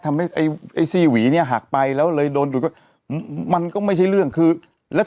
ไอ้ไอ้ซี่หวีเนี่ยหักไปแล้วเลยโดนดูดก็มันก็ไม่ใช่เรื่องคือแล้ว